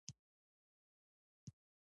کلسیم هډوکي او غاښونه کلکوي